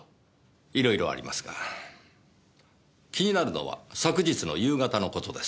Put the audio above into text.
いろいろありますが気になるのは昨日の夕方の事です。